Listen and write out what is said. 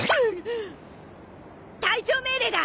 隊長命令だ！